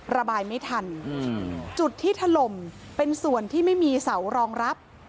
ระบายไม่ทันจุดที่ถล่มเป็นส่วนที่ไม่มีเสารองรับ